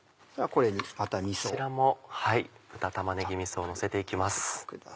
こちらも豚玉ねぎみそをのせて行きます。